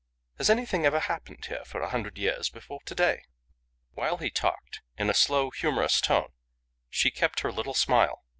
Has anything ever happened here for a hundred years before to day?" While he talked in a slow, humorous tone, she kept her little smile.